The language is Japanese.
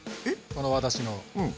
この私の。